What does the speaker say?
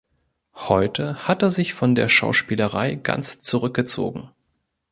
Heute hat er sich von der Schauspielerei ganz zurückgezogen.